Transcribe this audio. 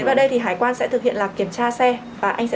như vậy là sau khi anh xác nhận xong